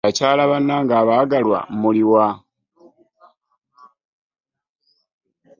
Bkyala bannange abagalwa muliwa .